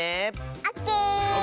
オッケー！